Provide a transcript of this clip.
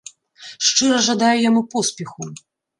Шчыра жадаю яму поспеху.